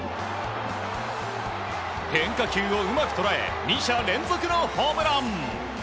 変化球をうまくとらえ２者連続のホームラン。